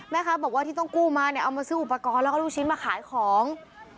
แม่ค้าบอกว่าที่ต้องกู้มาเนี่ยเอามาซื้ออุปกรณ์แล้วก็ลูกชิ้นมาขายของ